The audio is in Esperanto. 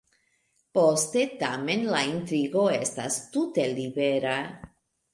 Poste, tamen, la intrigo estas tute libera.